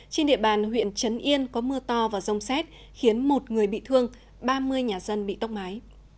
trên địa bàn huyện trấn yên có mưa to và rông xét khiến một người bị thương ba mươi nhà dân bị tốc mái